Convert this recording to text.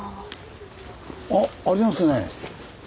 あっありますね。